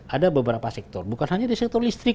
ada beberapa sektor bukan hanya di sektor listrik